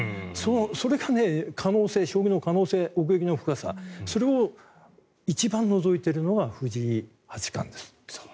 それが将棋の可能性奥行きの深さそれを一番のぞいているのは藤井八冠です。